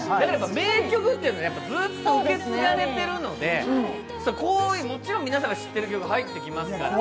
名曲というのは、ずっと受け継がれてるので、もちろん皆さんが知っている曲が入ってきますから。